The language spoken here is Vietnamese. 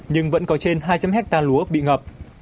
nhưng vẫn có trên hai trăm linh hectare lúa bị ngập